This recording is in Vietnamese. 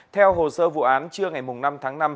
theo hồ sơ vụ án trưa ngày năm tháng năm